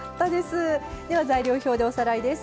材料表でおさらいです。